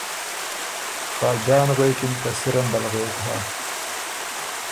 خاجان غوېکِن که سِرن دل غوېک هۀ۔